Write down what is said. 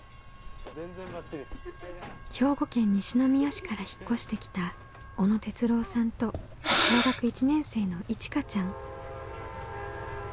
兵庫県西宮市から引っ越してきた小野哲郎さんと小学１年生のいちかちゃん。